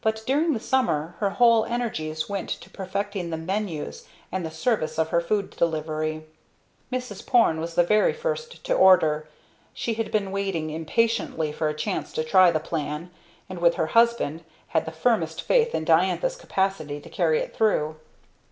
But during the summer her whole energies went to perfecting the menus and the service of her food delivery. Mrs. Porne was the very first to order. She had been waiting impatiently for a chance to try the plan, and, with her husband, had the firmest faith in Diantha's capacity to carry it through.